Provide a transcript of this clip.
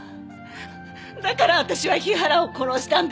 だから私は日原を殺したんです！